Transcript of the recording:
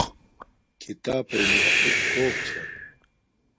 کھیتاپݵ محقق کوک چھا